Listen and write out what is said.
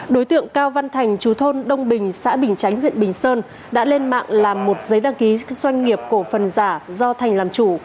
đối tượng cao văn thành chú thôn đông bình xã bình chánh huyện bình sơn đã lên mạng làm một giấy đăng ký doanh nghiệp cổ phần giả do thành làm chủ